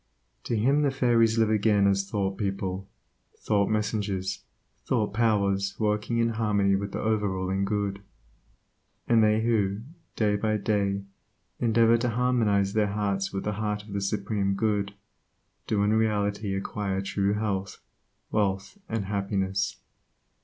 To him the fairies live again as thought people, thought messengers, thoughtpowers working in harmony with the over ruling Good. And they who, day by day, endeavor to harmonize their hearts with the heart of the Supreme Good, do in reality acquire true health, wealth, and happiness.